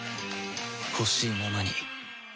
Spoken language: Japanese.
ほしいままに